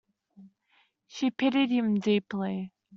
She pitied him deeply.